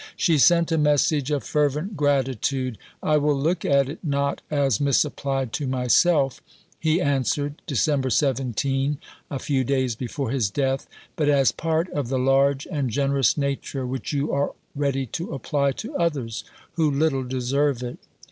She sent him a message of fervent gratitude. "I will look at it not as misapplied to myself," he answered (Dec. 17, a few days before his death), "but as part of the large and generous nature which you are ready to apply to others who little deserve it.